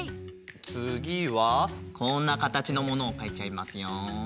つぎはこんなかたちのものをかいちゃいますよ。